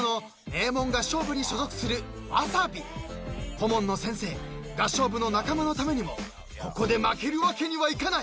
［顧問の先生合唱部の仲間のためにもここで負けるわけにはいかない］